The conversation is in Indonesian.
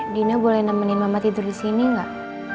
dina boleh nemenin mama tidur disini gak